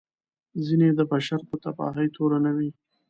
ځینې یې د بشر په تباهي تورنوي.